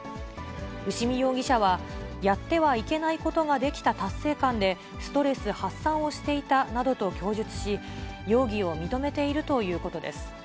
牛見容疑者は、やってはいけないことができた達成感で、ストレス発散をしていたなどと供述し、容疑を認めているということです。